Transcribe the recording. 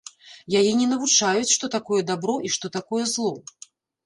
Яе не навучаюць, што такое дабро і што такое зло.